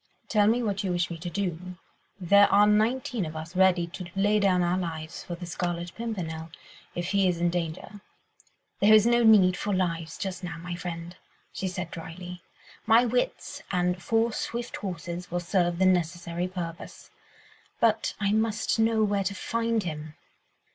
Tell me what you wish me to do. There are nineteen of us ready to lay down our lives for the Scarlet Pimpernel if he is in danger." "There is no need for lives just now, my friend," she said drily; "my wits and four swift horses will serve the necessary purpose. But I must know where to find him.